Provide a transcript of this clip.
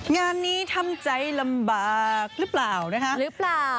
งานนี้ทำใจลำบากหรือเปล่านะฮะ